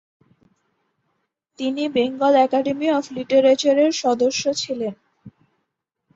তিনি Bengal academy of লিটারেচারের সদস্য ছিলেন ।